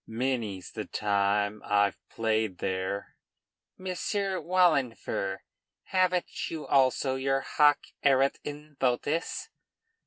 Many's the time I've played there!" "Monsieur Wahlenfer, haven't you also your 'hoc erat in votis'?"